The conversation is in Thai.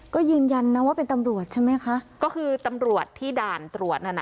ก็ยืนยันนะว่าเป็นตำรวจใช่ไหมคะก็คือตำรวจที่ด่านตรวจนั่นน่ะ